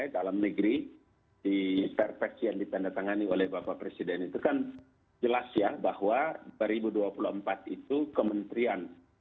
dalam negeri di perpres yang ditandatangani oleh bapak presiden itu kan jelas ya bahwa dua ribu dua puluh empat itu kementerian